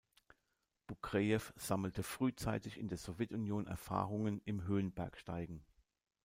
Bukrejew sammelte frühzeitig in der Sowjetunion Erfahrungen im Höhenbergsteigen.